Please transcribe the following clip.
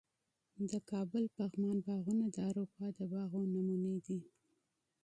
د کابل پغمان باغونه د اروپا د باغونو نمونې دي